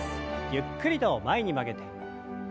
ゆっくりと前に曲げて。